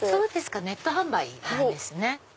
ネット販売なんですね。